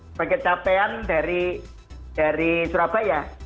sebagai capaian dari surabaya